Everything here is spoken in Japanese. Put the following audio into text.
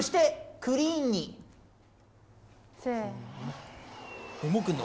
せの。